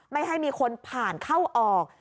ไม่ให้มีคนผ่านเข้าออก